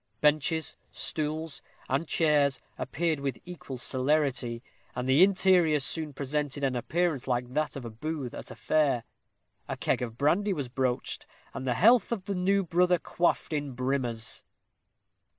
Benches, stools, and chairs appeared with equal celerity, and the interior soon presented an appearance like that of a booth at a fair. A keg of brandy was broached, and the health of the new brother quaffed in brimmers.